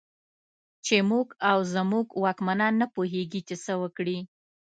چې موږ او زموږ واکمنان نه پوهېږي چې څه وکړي.